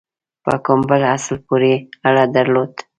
په کوم بل اصل پوري اړه درلوده.